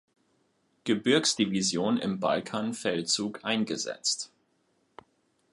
Gebirgs-Division im Balkanfeldzug eingesetzt.